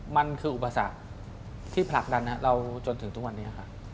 มันคืออุปสรรคที่ผลักดันเราจนถึงทุกวันนี้ค่ะ